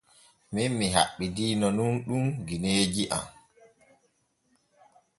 Min mi haɓɓidiino nun ɗum gineeji am.